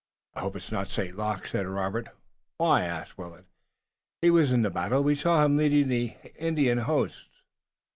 "I hope it's not St. Luc," said Robert. "Why?" asked Willet. "He was in the battle. We saw him leading on the Indian hosts."